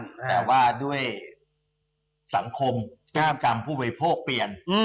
แต่ว่าด้วยสังคมแก้กรรมผู้บริโภคเปลี่ยน